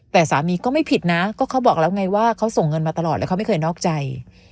แต่สามีก็ไม่ผิดนะก็เขาบอกแล้วไงว่าเขาส่งเงินมาตลอดแล้วเขาไม่เคยนอกใจ